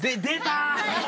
出た。